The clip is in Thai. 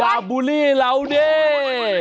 เดี๋ยววุลีเราครับ